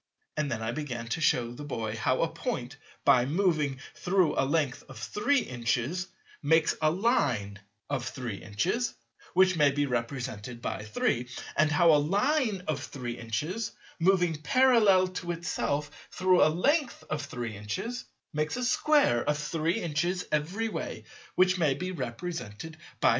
And then I began to shew the boy how a Point by moving through a length of three inches makes a Line of three inches, which may be represented by three; and how a Line of three inches, moving parallel to itself through a length of three inches, makes a Square of three inches every way, which may be represented by 32.